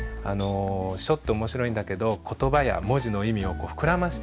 書って面白いんだけど言葉や文字の意味を膨らましてくれるっていうね